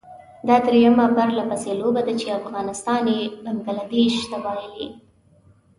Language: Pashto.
دا درېيمه پرلپسې لوبه ده چې افغانستان یې بنګله دېش ته بايلي.